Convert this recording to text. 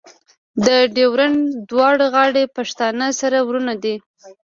د ډیورنډ دواړه غاړې پښتانه سره ورونه دي.